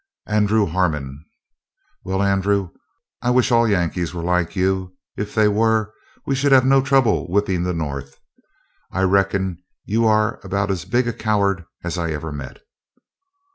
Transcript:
"Andrew Harmon." "Well, Andrew, I wish all Yankees were like you. If they were, we should have no trouble whipping the North. I reckon you are about as big a coward as I ever met."